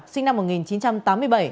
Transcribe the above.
sinh năm một nghìn chín trăm tám mươi bảy